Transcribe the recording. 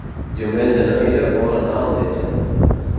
Diumenge na Mira vol anar al metge.